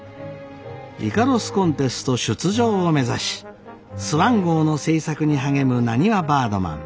イカロスコンテスト出場を目指しスワン号の製作に励むなにわバードマン。